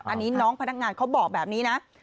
อันนี้น้องพนักงานเขาบอกแบบนี้นะ